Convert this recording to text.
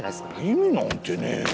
意味なんてねえよ。